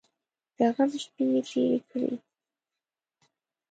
د غم شپې یې تېرې کړې.